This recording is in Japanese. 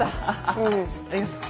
うん。ありがとね。